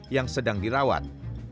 yang sedang dirawat